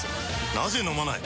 なぜ飲まない？